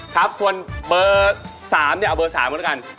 ครับส่วนเบอร์๓เนี่ยเอาเบอร์๓ก็แล้วกัน